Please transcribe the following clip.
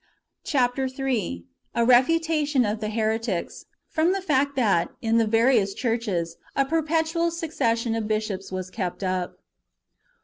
CHAr. III. — A refutation of the heretics, from the fact that, in the various churches, a perpetual succession of bishops ivas kept up, 1.